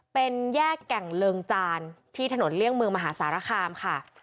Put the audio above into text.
เป็นแยกแก่งเริงจานที่ถนนเลี่ยงเมืองมหาสารคามค่ะ